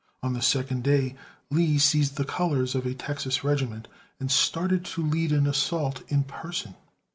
On the second day, Lee seized the colors of a Texas regiment and started to lead an assault in person.